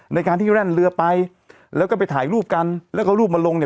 ในการที่แล่นเรือไปแล้วก็ไปถ่ายรูปกันแล้วก็รูปมาลงเนี่ย